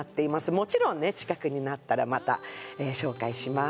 もちろんね近くになったらまた紹介します